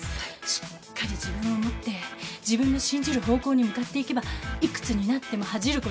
しっかり自分を持って自分の信じる方向に向かっていけば幾つになっても恥じることない。